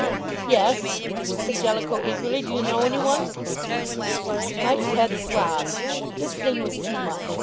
"Yes," said Jellicoe eagerly. "Do you know any one?" Mike's head throbbed. This thing was too much.